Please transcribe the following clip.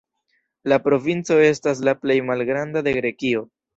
La provinco estas la plej malgranda de Grekio.